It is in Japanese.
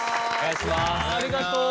ありがとう。